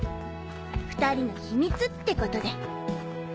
２人の秘密ってことで。